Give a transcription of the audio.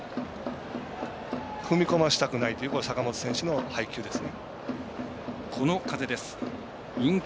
踏み込ませたくないという坂本選手の配球です。